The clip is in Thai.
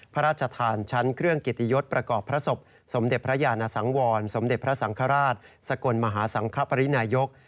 พระราชทานชั้นเครื่องกิติยศประกอบพระศพสมเด็จพระยานสังวรสมเด็จพระสังฆราชสกลมหาสังคปรินายก